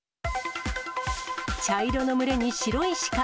茶色の群れに白いシカ。